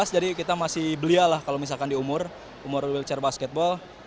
jadi kita masih belia lah kalau misalkan di umur umur wheelchair basketball